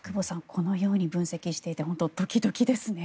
このように分析していて本当にドキドキですね。